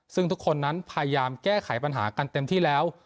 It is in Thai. ซึ่งทุกคนนั้นพยายามแก้ไขปัญหากันเต็มที่แล้ว